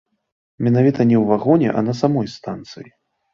Менавіта не ў вагоне, а на самой станцыі.